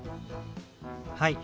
はい。